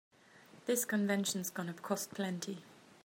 This convention's gonna cost plenty.